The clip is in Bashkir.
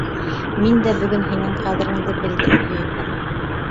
Мин дә бөгөн һинең ҡәҙереңде белдем, һөйөклөм!